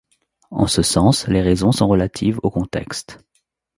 En ce sens, les raisons sont relatives au contexte.